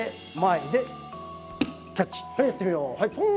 はいやってみよう。